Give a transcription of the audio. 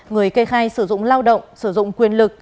người kê khai sử dụng lao động sử dụng quyền lực